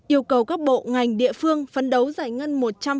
yêu cầu các bộ ngành địa phương phấn đấu giải ngân một trăm linh